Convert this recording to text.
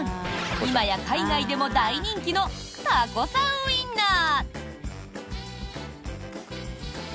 今や海外でも大人気のタコさんウインナー。